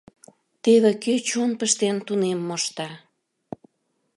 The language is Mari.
Теве кӧ чон пыштен тунем мошта!